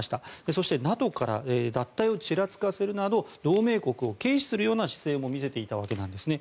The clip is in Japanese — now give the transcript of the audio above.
そして、ＮＡＴＯから脱退をちらつかせるなど同盟国を軽視するような姿勢も見せていたわけなんです。